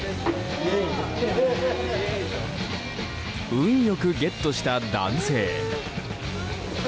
運良くゲットした男性。